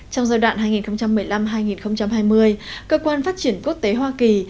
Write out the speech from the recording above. trong giai đoạn hai nghìn một mươi năm hai nghìn hai mươi cơ quan phát triển quốc tế hoa kỳ